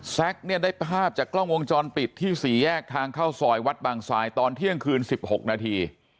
เนี่ยได้ภาพจากกล้องวงจรปิดที่สี่แยกทางเข้าซอยวัดบางทรายตอนเที่ยงคืน๑๖นาที